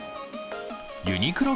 ユニクロ